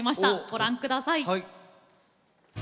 ご覧ください。